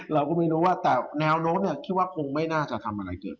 เราก็ไม่รู้ว่าแต่แนวโน้มคิดว่าคงไม่น่าจะทำอะไรเกิด